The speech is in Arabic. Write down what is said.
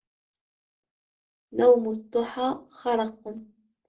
نَوْمُ الضُّحَى خَرَقٌ